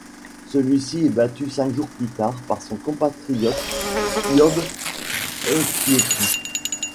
Celui-ci est battu cinq jours plus tard par son compatriote Yobes Ondieki.